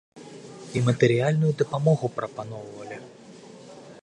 І матэрыяльную дапамогу прапаноўвалі.